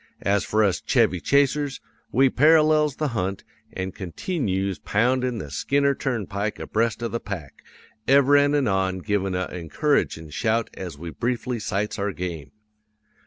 As for us Chevy Chasers, we parallels the hunt, an' continyoos poundin' the Skinner turnpike abreast of the pack, ever an' anon givin' a encouragin' shout as we briefly sights our game.